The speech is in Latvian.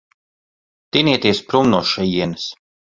Tinieties prom no šejienes.